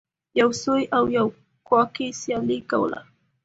یو سوی او یو کواګې سیالي کوله.